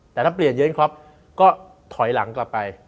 แต่ถ้าเปลี่ยนเยอะนะครับก็ถอยหลังกลับไป